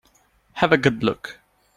Have a good look.